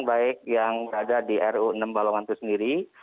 baik yang ada di ru enam balongan tuh sendiri